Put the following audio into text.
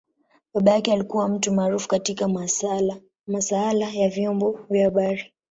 Baba yake alikua mtu maarufu katika masaala ya vyombo vya habari.